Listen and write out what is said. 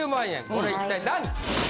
これ一体何？